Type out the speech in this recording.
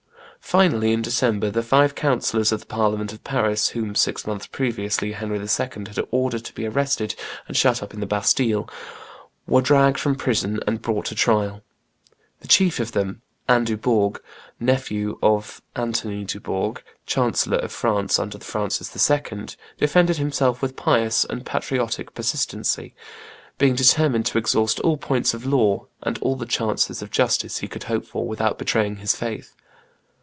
Finally, in December, the five councillors of the Parliament of Paris, whom, six months previously, Henry II. had ordered to be arrested and shut up in the Bastille, were dragged from prison and brought to trial. The chief of them, Anne Dubourg, nephew of Anthony Dubourg, Chancellor of France under Francis I., defended himself with pious and patriotic persistency, being determined to exhaust all points of law and all the chances of justice he could hope for without betraying his faith.